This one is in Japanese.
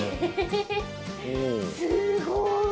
すごい！